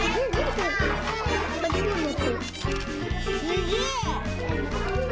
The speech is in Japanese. すげえ！